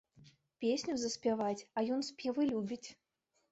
Песню заспяваць, а ён спевы любіць!